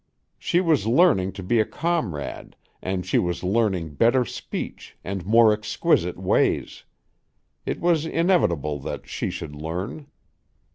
She was learning to be a comrade and she was learning better speech and more exquisite ways. It was inevitable that she should learn.